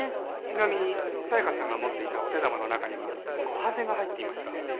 ちなみに紗香さんが持っていたお手玉の中にはコハゼが入っていました。